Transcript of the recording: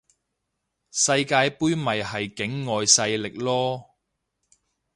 世界盃咪係境外勢力囉